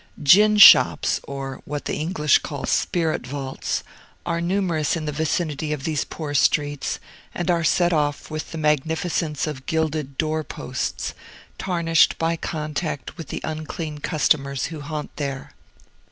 Gin shops, or what the English call spirit vaults, are numerous in the vicinity of these poor streets, and are set off with the magnificence of gilded door posts, tarnished by contact with the unclean customers who haunt there.